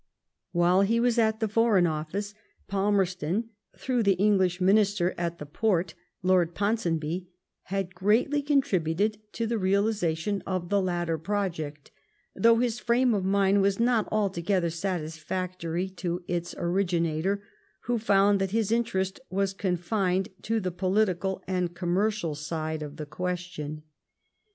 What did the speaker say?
While he was at the Foreign Office, Palmer ston, through the English Minister at the Porte, Lord Ponsonby, had greatly contributed to the realisation of the latter project, though his frame of mind was not altogether satisfactory to its originator, who found that his interest was confined to the political and commercial side of the question.